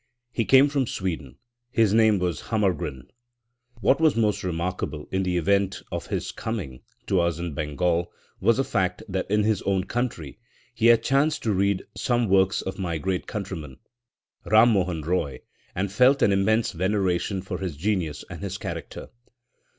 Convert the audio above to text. He came from Sweden, his name was Hammargren. What was most remarkable in the event of his coming to us in Bengal was the fact that in his own country he had chanced to read some works of my great countryman, Ram Mohan Roy, and felt an immense veneration for his genius and his character.